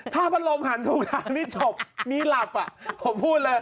ถ้าพัดลมหันถูกทางนี้จบมีหลับผมพูดเลย